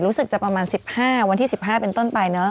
รู้สึกจะประมาณ๑๕วันที่๑๕เป็นต้นไปเนอะ